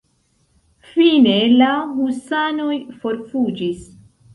Fine la husanoj forfuĝis.